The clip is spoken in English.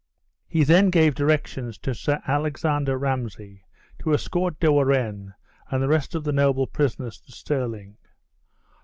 He then gave directions to Sir Alexander Ramsay to escort De Warenne and the rest of the noble prisoners to Stirling.